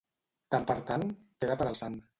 Tant per tant, queda per al sant.